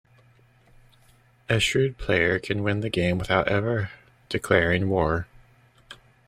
A shrewd player can win the game without ever declaring war.